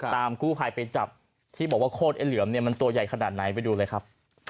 กู้ภัยไปจับที่บอกว่าโคตรไอ้เหลือมเนี่ยมันตัวใหญ่ขนาดไหนไปดูเลยครับ